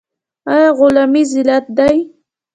آیا غلامي ذلت دی؟